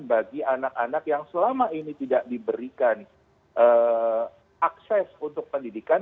bagi anak anak yang selama ini tidak diberikan akses untuk pendidikan